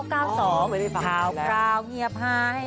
เล่าเงียบให้